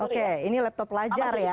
oke ini laptop pelajar ya